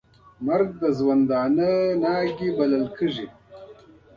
مرګ د ژوندانه ناوې بلل کېږي .